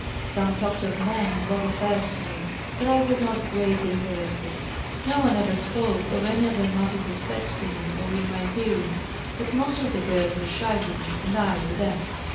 Some talked of men and love affairs to me, but I was not greatly interested. No one ever spoke of any other matters of sex to me or in my hearing, but most of the girls were shy with me and I with them.